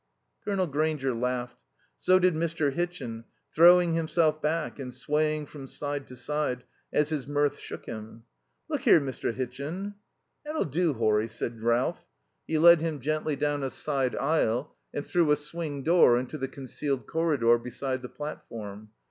Colonel Grainger laughed. So did Mr. Hitchin, throwing himself back and swaying from side to side as his mirth shook him. "Look here, Mr. Hitchin " "That'll do, Horry," said Ralph. He led him gently down a side aisle and through a swing door into the concealed corridor beside the platform.